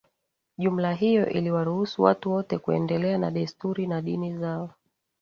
jumla hiyo iliwaruhusu watu wote kuendelea na desturi na dini zao